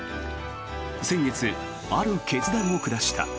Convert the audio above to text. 先月、ある決断を下した。